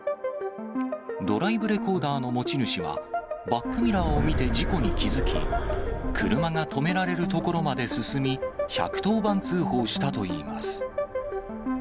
ドライブレコーダーの持ち主は、バックミラーを見て事故に気付き、車が止められる所まで進み、１１０番通報したといいます。